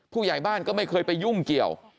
ผู้ใหญ่บ้านก็ไม่เคยไปยุ่งเกี่ยว